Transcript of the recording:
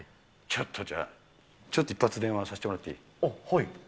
ちょっとじゃあ、ちょっと一発、電話させてもらっていい？